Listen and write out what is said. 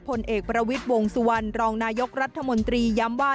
ผลเอกประวิทย์วงสุวรรณรองนายกรัฐมนตรีย้ำว่า